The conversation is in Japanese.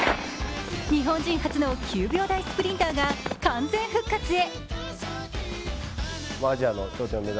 日本人初の９秒台スプリンターが完全復活へ。